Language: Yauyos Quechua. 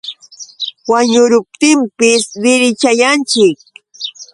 Wañuruptinpis dirichayanchik.